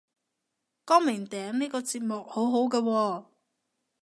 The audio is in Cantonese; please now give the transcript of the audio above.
光明頂呢個節目好好個喎